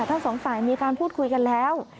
ทั้งสองฝ่ายมีการพูดคุยกันแล้ว